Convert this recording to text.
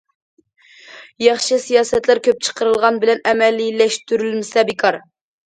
ياخشى سىياسەتلەر كۆپ چىقىرىلغان بىلەن ئەمەلىيلەشتۈرۈلمىسە بىكار.